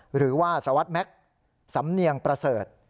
หรือว่าสวัสดิแม็กซ์สำเนียงประเสริฐ